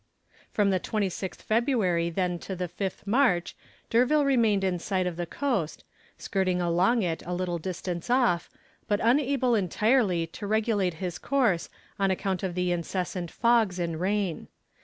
From the 26th February then to the 5th March D'Urville remained in sight of the coast, skirting along it a little distance off, but unable entirely to regulate his course on account of the incessant fogs and rain.